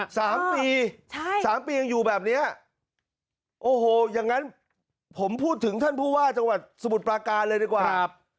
สามปีใช่สามปียังอยู่แบบเนี้ยโอ้โหอย่างงั้นผมพูดถึงท่านผู้ว่าจังหวัดสมุทรปราการเลยดีกว่าครับ